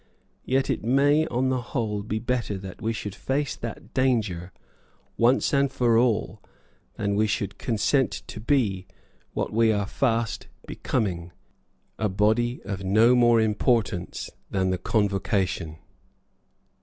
Yet it may on the whole be better that we should face that danger, once for all, than that we should consent to be, what we are fast becoming, a body of no more importance than the Convocation.